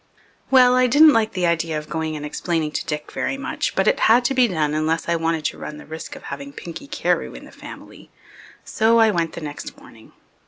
Well, I didn't like the idea of going and explaining to Dick very much, but it had to be done unless I wanted to run the risk of having Pinky Carewe in the family. So I went the next morning.